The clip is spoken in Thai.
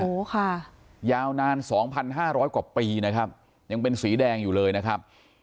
โอ้โหค่ะยาวนานสองพันห้าร้อยกว่าปีนะครับยังเป็นสีแดงอยู่เลยนะครับ